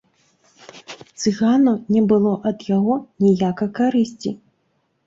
Цыгану не было ад яго ніякай карысці.